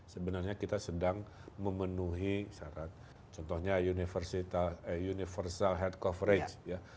sebenarnya kita sedang memenuhi syarat contohnya universal health coverage